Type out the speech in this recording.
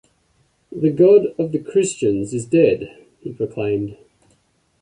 "The God of the Christians is dead," he proclaimed.